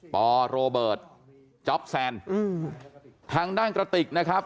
ปโรเบิร์ตจ๊อปแซนอืมทางด้านกระติกนะครับ